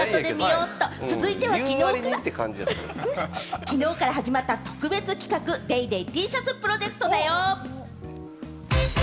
続いては、きのうから始まった特別企画『ＤａｙＤａｙ．』Ｔシャツプロジェクトだよ！